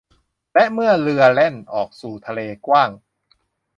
และเมื่อเรือแล่นออกสู่ทะเลกว้าง